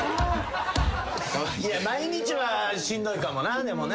毎日はしんどいかもなでもな。